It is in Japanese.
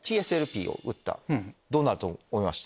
どうなると思います？